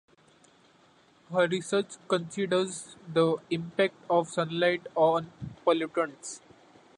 Her research considers the impact of sunlight on pollutants.